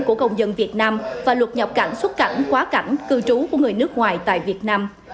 của công dân việt nam và luật nhập cảnh xuất cảnh quá cảnh cư trú của người nước ngoài tại việt nam